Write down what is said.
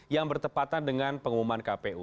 yang bertepatan dengan pengumuman kpu